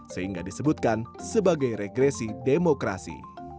sehingga disebutkan sebagai regresi demokrasi